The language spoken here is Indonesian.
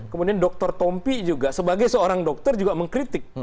kemudian dr tompi juga sebagai seorang dokter juga mengkritik